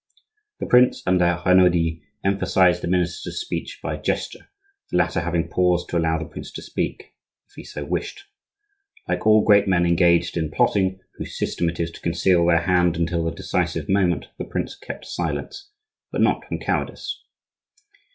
The prince and La Renaudie emphasized the minister's speech by a gesture, the latter having paused to allow the prince to speak, if he so wished. Like all great men engaged in plotting, whose system it is to conceal their hand until the decisive moment, the prince kept silence—but not from cowardice.